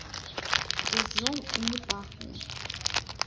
Дажджом і не пахне.